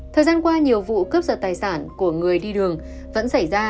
thời gian qua nhiều vụ cướp giật tài sản của người đi đường vẫn xảy ra